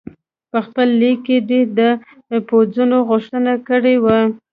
په خپل لیک کې دې د پوځونو غوښتنه کړې وه.